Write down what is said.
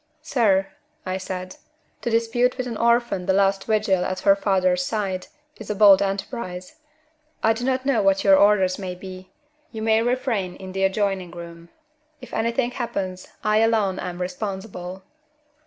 "Sir," I said, "to dispute with an orphan the last vigil at a father's side, is a bold enterprise. I do not know what your orders may be. You may remain in the adjoining room; if anything happens, I alone am responsible."